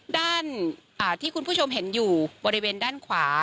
ด้านที่คุณผู้ชมเห็นอยู่บริเวณด้านขวา